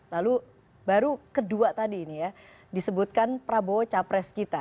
lalu baru kedua tadi ini ya disebutkan prabowo capres kita